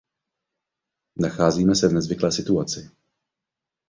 Nacházíme se v nezvyklé situaci.